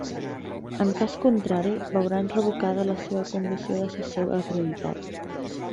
En cas contrari, veuran revocada la seva condició d'assessor acreditat.